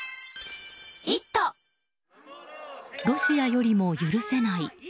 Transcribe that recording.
ロシアよりも許せない。